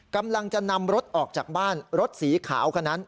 กำลังจะนำรถออกจากบ้านรถสีขาวคนนั้น